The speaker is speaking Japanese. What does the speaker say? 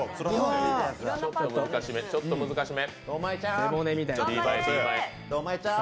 ちょっと難しめ。